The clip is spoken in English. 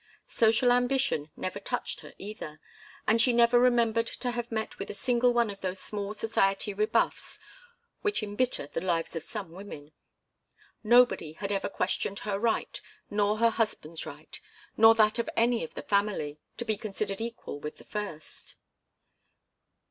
Social ambition never touched her either, and she never remembered to have met with a single one of those small society rebuffs which embitter the lives of some women. Nobody had ever questioned her right, nor her husband's right, nor that of any of the family, to be considered equal with the first.